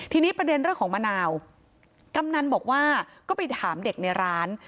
ทีนี้ประเด็นเรื่องของมะนาวกำนันบอกว่าก็ไปถามเด็กในร้าน